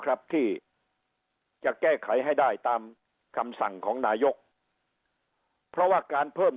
ครับที่จะแก้ไขให้ได้ตามคำสั่งของนายกเพราะว่าการเพิ่ม